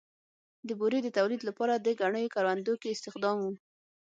د بورې د تولید لپاره د ګنیو کروندو کې استخدام و.